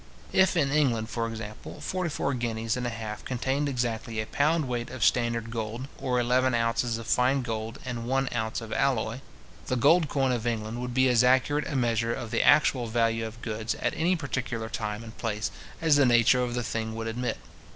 If in England, for example, forty four guineas and a half contained exactly a pound weight of standard gold, or eleven ounces of fine gold, and one ounce of alloy, the gold coin of England would be as accurate a measure of the actual value of goods at any particular time and place as the nature of the thing would admit.